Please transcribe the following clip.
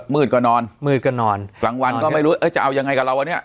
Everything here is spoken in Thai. มืดก็นอนมืดก็นอนกลางวันก็ไม่รู้เออจะเอายังไงกับเราวะเนี่ย